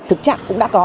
thực trạng cũng đã có